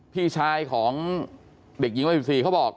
พี่ชายของเด็กหญิงวัย๑๔เขาบอก